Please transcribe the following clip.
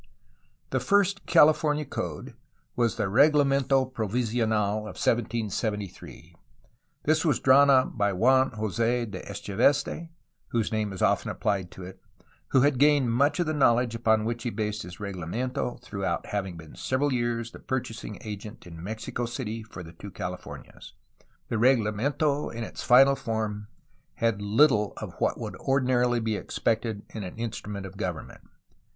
The first California code was the Reglamento Provisional of 1773. This was drawn up by Juan Jos6 de Echeveste (whose name is often applied to it), who had gained much of the knowledge upon which he based his reglamento through having been for several years the purchasing agent in Mexico City for the two Califomias. The reglamento in its final form had little of what would ordinarily be expected in an instrument of government.